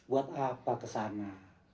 buat apa ke sana